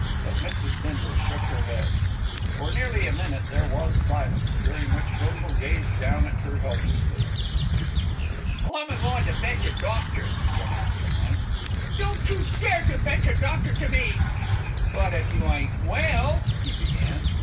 But Mrs. Bindle shook her head. For nearly a minute there was silence, during which Bindle gazed down at her helplessly. "I'm a goin' to fetch a doctor," he announced at length. "Don't you dare to fetch a doctor to me." "But if you ain't well " he began.